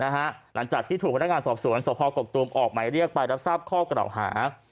หลังจากที่ถูกพนักงานสอบสวนสพกกตูมออกหมายเรียกไปรับทราบข้อกล่าวหา